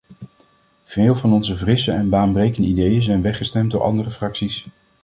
Veel van onze frisse en baanbrekende ideeën zijn weggestemd door andere fracties.